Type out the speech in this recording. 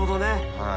はい。